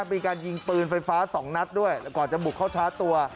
มีการยิงปืนไฟฟ้าสองนัดด้วยก่อนจะบุกเข้าชาร์จตัว